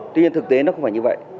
tuy nhiên thực tế nó không phải như vậy